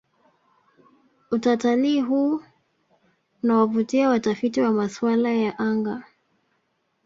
utatalii huu unawavutia watafiti wa maswala ya anga